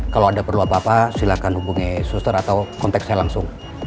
kalau ada perlu apa apa silakan hubungi suster atau kontak saya langsung